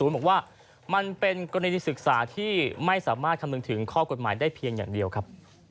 บอกว่ามันเป็นกรณีที่ศึกษาที่ไม่สามารถคำนึงถึงข้อกฎหมายได้เพียงอย่างเดียวครับ